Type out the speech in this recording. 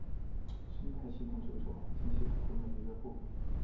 生态系统只是环境系统中的一个部分。